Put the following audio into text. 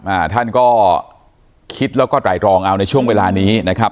อ่าท่านก็คิดแล้วก็ไตรรองเอาในช่วงเวลานี้นะครับ